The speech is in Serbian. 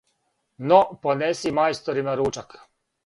"Но понеси мајсторима ручак."